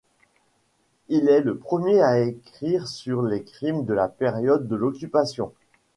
Il est le premier à écrire sur les crimes de la période de l’Occupation.